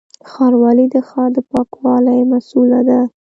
ښاروالي د ښار د پاکوالي مسووله ده